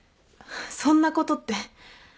そんなことって。